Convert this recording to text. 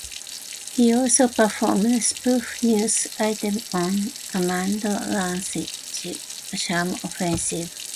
He also performed spoof news items on "Armando Iannucci's Charm Offensive".